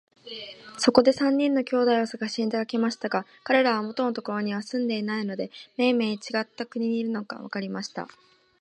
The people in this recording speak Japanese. そこで三人の兄弟をさがしに出かけましたが、かれらは元のところには住んでいないで、めいめいちがった国にいるのがわかりました。